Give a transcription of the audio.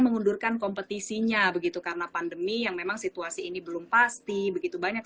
mengundurkan kompetisinya begitu karena pandemi yang memang situasi ini belum pasti begitu banyak